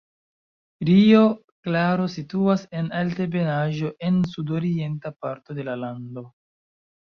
Rio Claro situas en altebenaĵo en sudorienta parto de la lando.